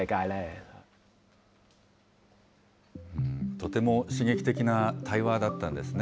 とても刺激的な対話だったんですね。